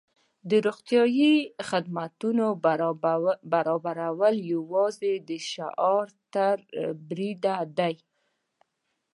د روغتیايي خدمتونو برابرول یوازې د شعار تر بریده دي.